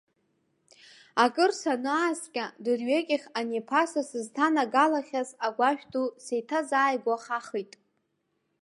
Акыр санааскьа, дырҩегьых ани ԥаса сызҭанагалахьаз агәашә ду сеиҭазааигәахахит.